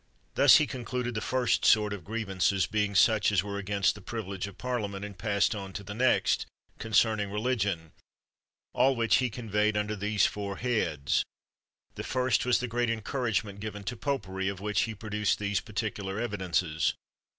. Thus he concluded the first sort of grievances, being such as were against the privilege of Par liament, and passed on to the next, concerning religion; all which he conveyed under these tour heads The first, was the great encouragement given to popery, of which he produced these particular evidences.